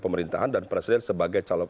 pemerintahan dan presiden sebagai calon